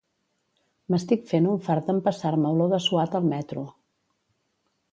M'estic fent un fart d'empassar-me olor de suat al metro